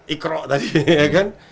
ikro tadi ya kan